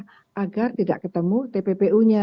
tiga langkah agar tidak ketemu tppu nya